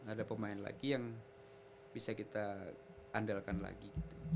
ada pemain lagi yang bisa kita andalkan lagi